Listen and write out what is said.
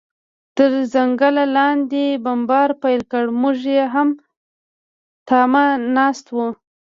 تر ځنګله لاندې بمبار پیل کړ، موږ یې هم تمه ناست و.